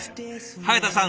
早田さん